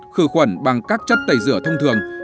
khử khuẩn bằng các chất tẩy rửa thông thường